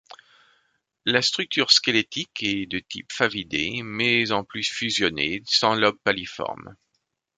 La structure squelettique est de type favidée, mais en plus fusionné, sans lobes paliformes.